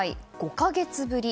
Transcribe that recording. ５か月ぶり